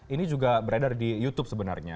ini juga beredar di youtube sebenarnya